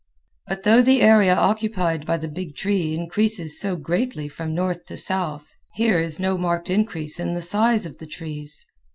But though the area occupied by the big tree increases so greatly from north to south, here is no marked increase in the size of the trees.